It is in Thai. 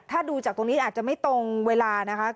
ถ้าดูจากตรงนี้อาจจะไม่ตรงเวลานะคะ